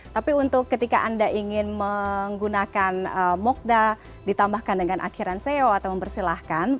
tapi untuk ketika anda ingin menggunakan mokda ditambahkan dengan akhiran seo atau mempersilahkan